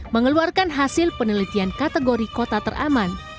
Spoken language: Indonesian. mengeluarkan hasil penelitian kategori kota teraman